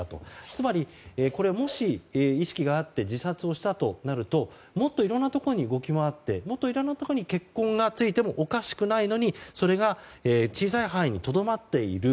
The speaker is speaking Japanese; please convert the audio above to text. つまり、これもし意識があって自殺をしたとなるともっといろんなところに動き回って、もっといろんなところに血痕が付いてもおかしくないのにそれが小さい範囲にとどまっている。